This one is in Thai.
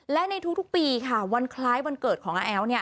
และในทุกปีค่ะวันคล้ายวันเกิดของอาแอ๋ว